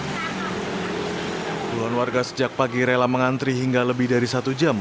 puluhan warga sejak pagi rela mengantri hingga lebih dari satu jam